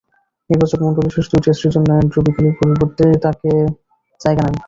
নির্বাচকমণ্ডলী শেষ দুই টেস্টের জন্য অ্যান্ড্রু বিকেলের পরিবর্তে তাকে জায়গা দেন।